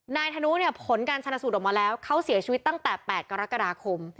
ธนุเนี่ยผลการชนะสูตรออกมาแล้วเขาเสียชีวิตตั้งแต่๘กรกฎาคม